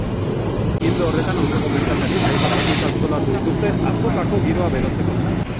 Ildo horretan, auzoko merkatariek hainbat ekintza antolatu dituzte azokako giroa berotzeko.